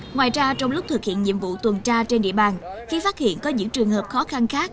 ngoài ra trong lúc thực hiện nhiệm vụ tuần tra trên địa bàn khi phát hiện có những trường hợp khó khăn khác